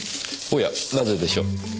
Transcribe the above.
おやなぜでしょう？